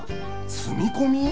住み込み！？